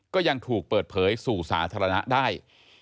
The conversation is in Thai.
ก็ยังถูกเปิดเผยสู่สาธารณะได้